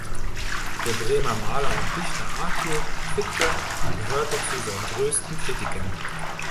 Der Bremer Maler und Dichter Arthur Fitger gehörte zu seinen größten Kritikern.